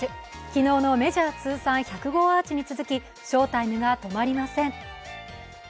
昨日のメジャー通算１００号アーチに続き翔タイムが止まりません。